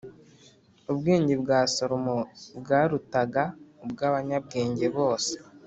Ubwenge bwa Salomo bwarutaga ubw’abanyabwenge bose